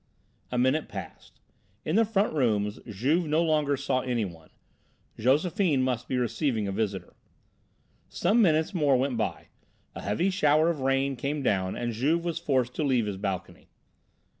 A minute passed; in the front rooms Juve no longer saw anyone. Josephine must be receiving a visitor. Some minutes more went by; a heavy shower of rain came down and Juve was forced to leave his balcony.